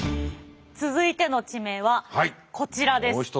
続いての地名はこちらです。